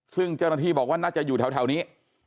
ซึ่งเจ้าหน้าที่บอกว่าน่าจะอยู่แถวนี้